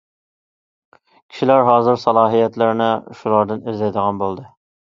كىشىلەر ھازىر سالاھىيەتلىرىنى شۇلاردىن ئىزدەيدىغان بولدى.